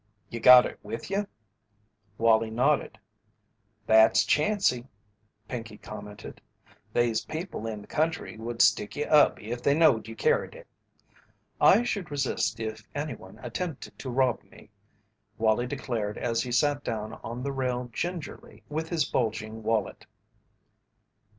"You got it with you?" Wallie nodded. "That's chancey," Pinkey commented. "They's people in the country would stick you up if they knowed you carried it." "I should resist if any one attempted to rob me," Wallie declared as he sat down on the rail gingerly with his bulging wallet.